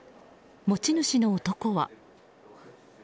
持ち主の男は。